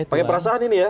pakai perasaan ini ya